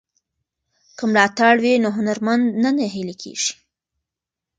که ملاتړ وي نو هنرمند نه نهیلی کیږي.